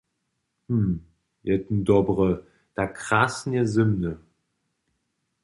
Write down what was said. Hm, je tón dobry a tak krasnje zymny!